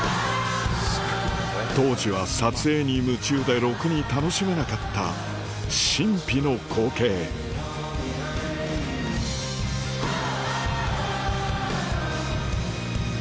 当時は撮影に夢中でろくに楽しめなかった神秘の光景うわ！